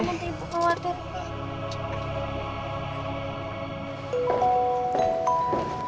aku nanti ibu khawatir